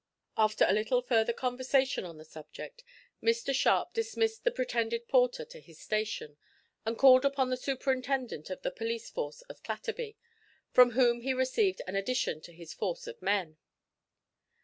After a little further conversation on the subject Mr Sharp dismissed the pretended porter to his station, and called upon the superintendent of the police force of Clatterby, from whom he received an addition to his force of men.